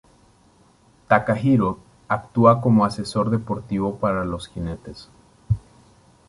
Takahiro actúa como asesor deportivo para los jinetes.